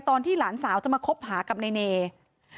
ตอนหลานสาวจะมาคบหากับในน่า